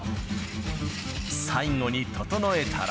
最後に整えたら。